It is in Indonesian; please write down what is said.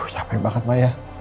capek banget maya